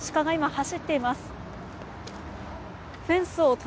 走っています。